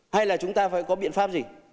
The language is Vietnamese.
hay là chúng ta phải có biện pháp gì